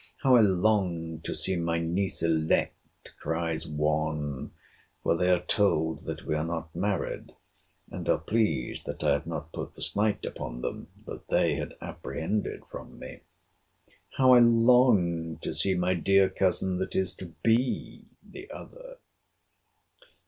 How I long to see my niece elect! cries one—for they are told that we are not married; and are pleased that I have not put the slight upon them that they had apprehended from me. How I long to see my dear cousin that is to be, the other!